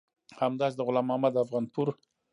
همداسې د غلام محمد افغانپور